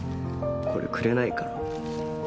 これくれないかなぁ。